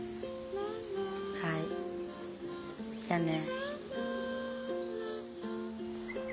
はいじゃあね。